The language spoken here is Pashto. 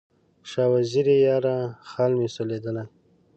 شاه وزیره یاره، خال مې سولېدلی